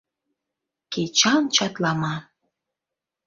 Кечан чатлама!